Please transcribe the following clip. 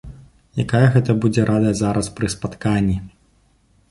Якая гэта будзе радасць зараз пры спатканні!